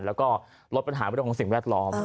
แล้วก็ลดปัญหาเรื่องของสิ่งแวดล้อม